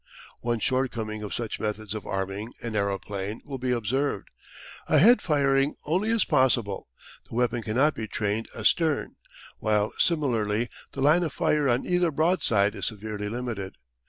One shortcoming of such methods of arming an aeroplane will be observed. Ahead firing only is possible; the weapon cannot be trained astern, while similarly the line of fire on either broadside is severely limited.